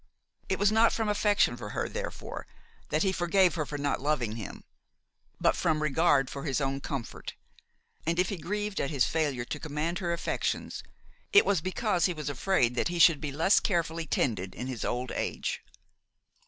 It was not from affection for her, therefore, that he forgave her for not loving him, but from regard for his own comfort: and if he grieved at his failure to command her affections, it was because he was afraid that he should be less carefully tended in his old age.